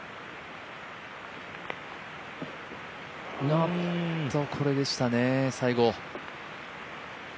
あっと、これでしたね、最後。